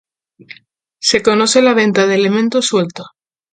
Se conoce la venta de elementos sueltos.